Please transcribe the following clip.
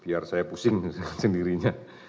biar saya pusing sendirinya